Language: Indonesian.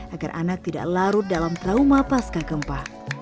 agar anak tidak larut dalam trauma pasca gempa